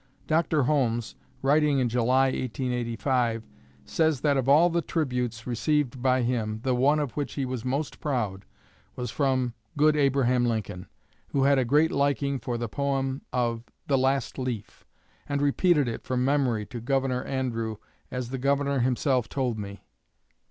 Dr. Holmes, writing in July, 1885, says that of all the tributes received by him, the one of which he was most proud was from "good Abraham Lincoln," who had a great liking for the poem of "The Last Leaf," and "repeated it from memory to Governor Andrew, as the Governor himself told me."